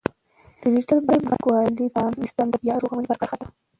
ډیجیټل بانکوالي د افغانستان د بیا رغونې برخه ده.